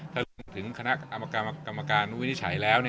ถ้าถึงคณะกรรมการวินิจฉัยแล้ว